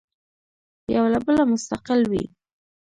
یو له بله مستقل وي.